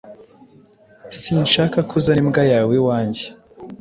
Sinshaka ko uzana imbwa yawe iwanjye.